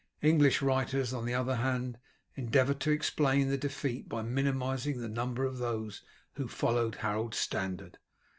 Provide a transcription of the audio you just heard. English writers, on the other hand, endeavour to explain the defeat by minimizing the number of those who followed Harold's standard.